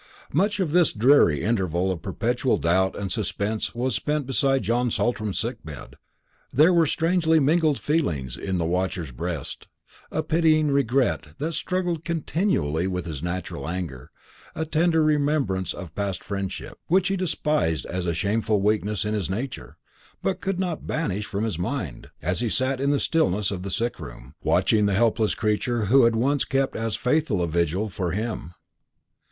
Much of this dreary interval of perpetual doubt and suspense was spent beside John Saltram's sick bed. There were strangely mingled feelings in the watcher's breast; a pitying regret that struggled continually with his natural anger; a tender remembrance of past friendship, which he despised as a shameful weakness in his nature, but could not banish from his mind, as he sat in the stillness of the sick room, watching the helpless creature who had once kept as faithful a vigil for him.